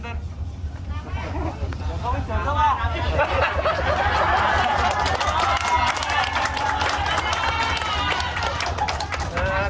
nama ini jeneng kan cintan